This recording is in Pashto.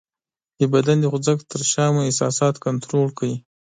د بدن د خوځښت تر شا مو احساسات کنټرول کړئ :